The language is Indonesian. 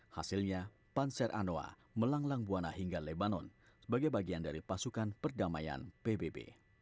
hasilnya panser anoa melanglang buana hingga lebanon sebagai bagian dari pasukan perdamaian pbb